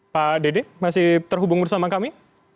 pak dede masih terhubung bersama kami